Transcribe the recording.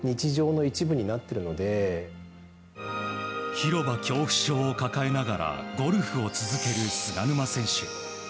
広場恐怖症を抱えながらゴルフを続ける菅沼選手。